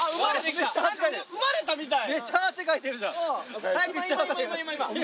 生まれたみたい！